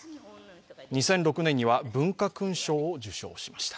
２００６年には文化勲章を受章しました。